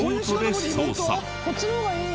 こっちの方がいい！